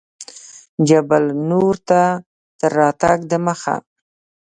جبل النور ته تر راتګ دمخه.